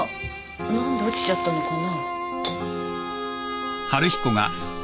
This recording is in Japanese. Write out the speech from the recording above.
何で落ちちゃったのかな？